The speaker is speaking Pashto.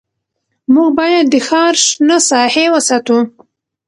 موږ باید د ښار شنه ساحې وساتو